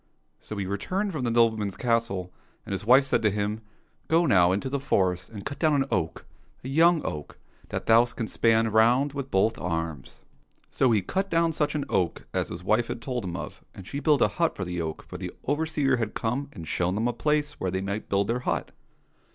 — So he returned from the nobleman's castle, and his wife said to him, " Go now into the forest and cut down an oak, a young oak, that thou canst span round with i8s COSSACK FAIRY TALES both arms." So he cut down such an oak as his wife had told him of, and she built a hut of the oak, for the overseer had come and shown them a place where they might build their hut.